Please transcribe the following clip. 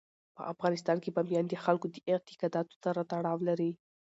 په افغانستان کې بامیان د خلکو د اعتقاداتو سره تړاو لري.